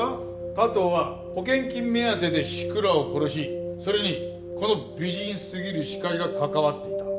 加藤は保険金目当てで志倉を殺しそれにこの美人すぎる歯科医が関わっていた。